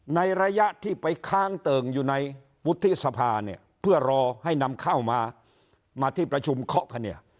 ในระยะที่ไปค้างเติ่งอยู่ในวุฒิษภาเพื่อรอให้นำเข้ามามาที่ประชุมเคราะห์